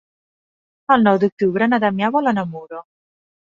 El nou d'octubre na Damià vol anar a Muro.